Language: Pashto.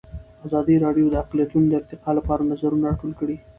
ازادي راډیو د اقلیتونه د ارتقا لپاره نظرونه راټول کړي.